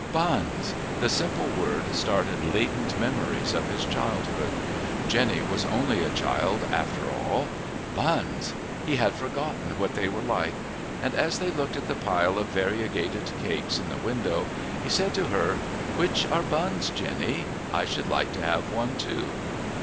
Buns! The simple word started latent memories of his childhood. Jenny was only a child after all. Buns! He had forgotten what they were like. And as they looked at the piles of variegated cakes in the window, he said to her, "Which are buns, Jenny? I should like to have one, too."